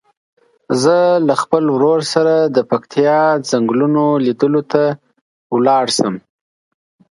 زه له خپل ورور سره د پکتیا څنګلونو لیدلو ته لاړ شم.